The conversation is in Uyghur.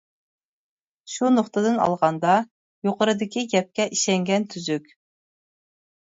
شۇ نۇقتىدىن ئالغاندا، يۇقىرىدىكى گەپكە ئىشەنگەن تۈزۈك.